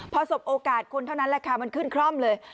พอสบโอกาสคนเท่านั้นแหละค่ะมันขึ้นคร่อมเลย